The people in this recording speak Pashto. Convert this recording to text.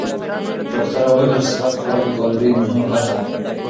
ډاکټره وویل، سپک خواړه د کالورۍ مهمه برخه دي.